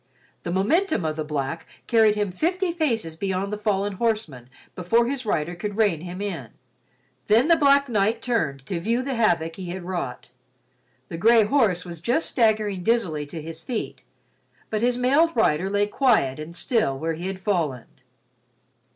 The momentum of the black carried him fifty paces beyond the fallen horseman before his rider could rein him in, then the black knight turned to view the havoc he had wrought. The gray horse was just staggering dizzily to his feet, but his mailed rider lay quiet and still where he had fallen.